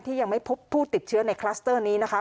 ยังไม่พบผู้ติดเชื้อในคลัสเตอร์นี้นะคะ